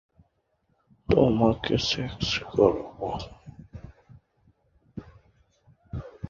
Spoken হল অভ্যন্তরীণ উত্তর-পশ্চিম অঞ্চলের অংশ, যা পূর্ব ওয়াশিংটন, উত্তর আইডাহো, উত্তর-পশ্চিম মন্টানা ও উত্তর-পূর্ব অরেগন নিয়ে গঠিত।